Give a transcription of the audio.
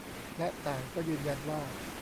และต่างก็ยืนยันว่า